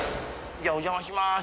じゃあお邪魔します。